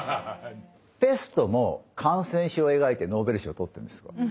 「ペスト」も感染症を描いてノーベル賞を取ってるんです。